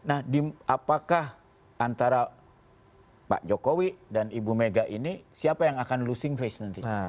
nah apakah antara pak jokowi dan ibu mega ini siapa yang akan losing face nanti